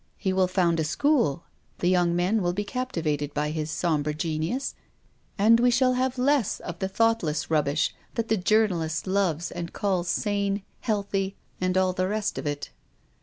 He will found a school. The young men will be captivated by his sombre genius, and we shall have less of the thoughtless rubbish that the journalist loves and calls sane, healthy, and all the rest of it."